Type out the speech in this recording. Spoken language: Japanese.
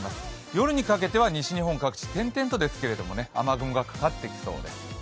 夜にかけては西日本各地、点々とですが雨雲がかかってきそうです。